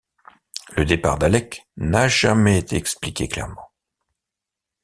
Le départ d'Alec n'a jamais été expliqué clairement.